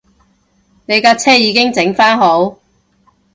你架車已經整番好